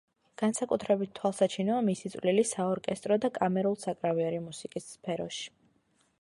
განსაკუთრებით თვალსაჩინოა მისი წვლილი საორკესტრო და კამერულ-საკრავიერი მუსიკის სფეროში.